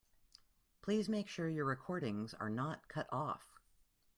Please make sure your recordings are not cut off.